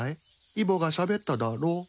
イボがしゃべっただろ？